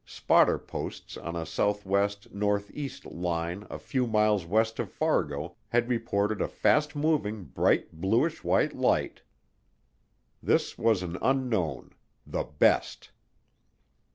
Spotter posts on a southwest northeast line a few miles west of Fargo had reported a fast moving, bright bluish white light. This was an unknown the best.